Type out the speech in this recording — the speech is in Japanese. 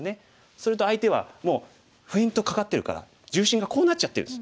すると相手はもうフェイントかかってるから重心がこうなっちゃってるんです。